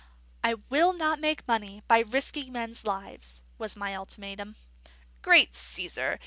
"I will not make money by risking men's lives," was my ultimatum. "Great Caesar!